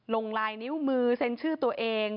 ลงลายนิ้วมือเซ็นชื่อตัวเอง